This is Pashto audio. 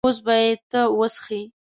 اوس به یې ته وڅښې.